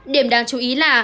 điểm đáng chú ý là